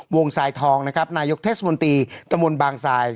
ทรายทองนะครับนายกเทศมนตรีตะมนต์บางทราย